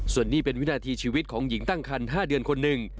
ส่วนนี้เป็นวินาทีชีวิตของหญิงตั้งคัน๕เดือนคนหนึ่ง